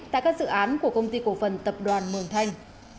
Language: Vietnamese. tại các dự án của công ty cổ phần tập đoàn mường thanh